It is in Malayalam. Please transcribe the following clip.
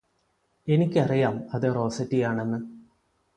എനിക്കറിയാം അത് റോസറ്റിയാണെന്ന്